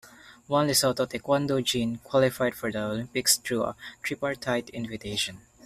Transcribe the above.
One Lesotho taekwondo jin qualified for the Olympics through a tripartite invitation.